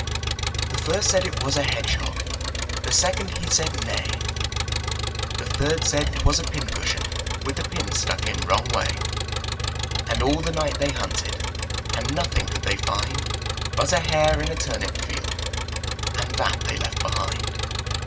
The first said it was a hedgehog, The second, he said naV; The third said *twas a pin cushion, With the pins stuck in wrong way. And all the night they hunted. And nothing tould they find But a hare in a turnip field And that they left behind.